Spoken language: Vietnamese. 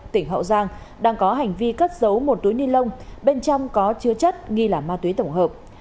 tỉnh hậu giang đang có hành vi cất giấu một túi ni lông bên trong có chứa chất nghi là ma túy tổng hợp